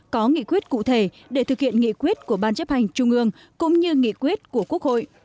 có nghị quyết cụ thể để thực hiện nghị quyết của ban chấp hành trung ương cũng như nghị quyết của quốc hội